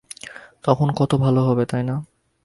তখন কত ভালো হবে, তাই না?